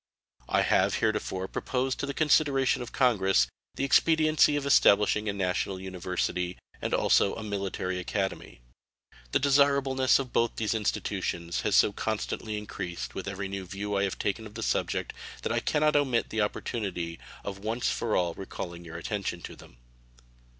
I have heretofore proposed to the consideration of Congress the expediency of establishing a national university and also a military academy. The desirableness of both these institutions has so constantly increased with every new view I have taken of the subject that I can not omit the opportunity of once for all recalling your attention to them.